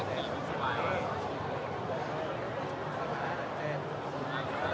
สวัสดีครับ